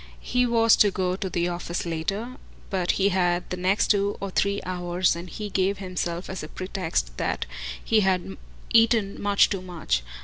He was to go to the office later, but he had the next two or three hours, and he gave himself as a pretext that he had eaten much too much.